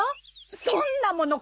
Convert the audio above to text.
そんなもの